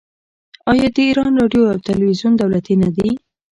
آیا د ایران راډیو او تلویزیون دولتي نه دي؟